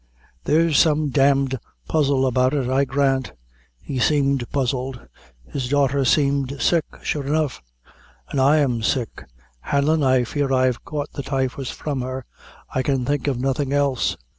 "There's some d d puzzle about it, I grant he seemed puzzled his daughter seemed sick, sure enough and I am sick. Hanlon, I fear I've caught the typhus from her I can think of nothing else."